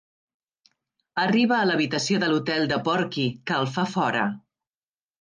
Arriba a l'habitació de l'hotel de Porky, que el fa fora.